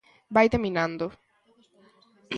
Vaite minando.